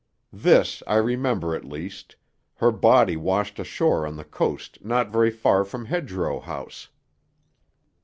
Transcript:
This I remember, at least: her body washed ashore on the coast not very far from Hedgerow House."